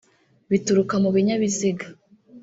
bituruka mu binyabiziga